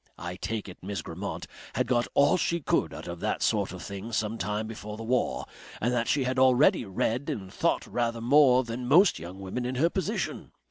I take it Miss Grammont had got all she could out of that sort of thing some time before the war, and that she had already read and thought rather more than most young women in her position.